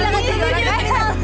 gak mau bilang